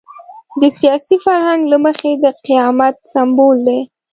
د سیاسي فرهنګ له مخې د قیامت سمبول دی.